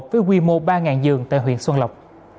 với quy mô ba giường tại huyện xuân lộc